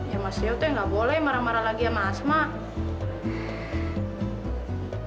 ya mas ryo tuh gak boleh marah marah lagi ya mas mak